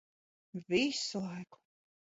Visu laiku.